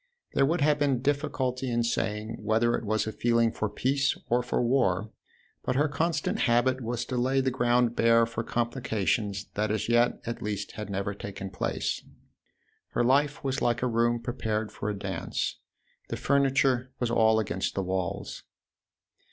There would have been difficulty in saying whether it was a feeling for peace or for war, but her constant habit was to lay the ground bare for complications that as yet at least had never taken place. Her life was like a room prepared for a dance : the furniture was all against the walls.